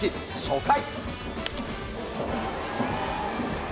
初回。